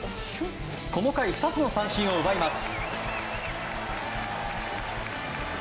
この回２つの三振を奪います。